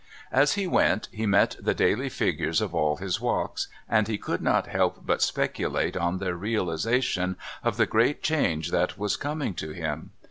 As he went he met the daily figures of all his walks, and he could not help but speculate on their realisation of the great change that was coming to him.